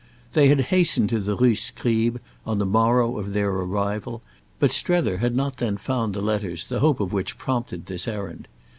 They had hastened to the Rue Scribe on the morrow of their arrival, but Strether had not then found the letters the hope of which prompted this errand.